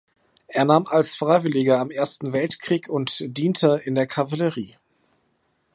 Er nahm als Freiwilliger am Ersten Weltkrieg und diente in der Kavallerie.